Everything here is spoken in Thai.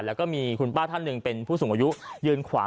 แล้วก็มีคุณป้าท่านหนึ่งเป็นผู้สูงอายุยืนขวาง